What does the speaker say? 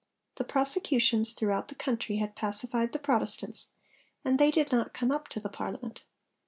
The prosecutions throughout the country had pacified the Protestants, and they did not come up to the Parliament.